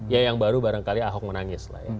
ya yang baru barangkali ahok menangis